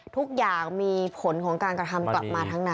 ทุกอย่างมีผลของการกระทำกลับมาทั้งนั้น